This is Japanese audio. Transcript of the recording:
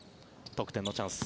得点のチャンス